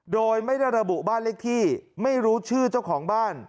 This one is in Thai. โดยไม่ได้ระบุบ้านเลขที่ไม่รู้ชื่อเจ้าของบ้าน